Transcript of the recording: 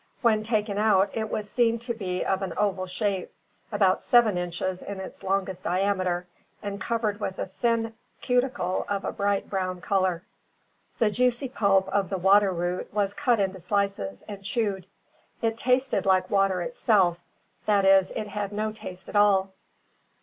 When taken out, it was seen to be of an oval shape, about seven inches in its longest diameter, and covered with a thin cuticle of a bright brown colour. The juicy pulp of the water root was cut into slices, and chewed. It tasted like water itself, that is, it had no taste at all.